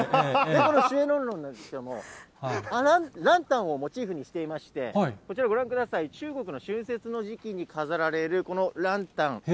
で、このシュエロンロンなんですけれども、ランタンをモチーフにしていまして、こちらご覧ください、中国の春節の時期に飾られる、このランタン。